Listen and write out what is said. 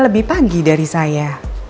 lebih pagi dari saya